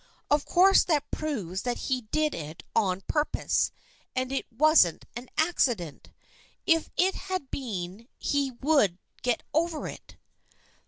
Of course that proves that he did it on purpose and it wasn't an accident. If it had been he would get over it."